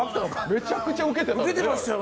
めちゃくちゃウケてましたよ。